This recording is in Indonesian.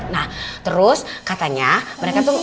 nah terus katanya mereka tuh